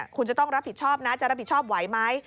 คุณจะรับผิดชอบไหม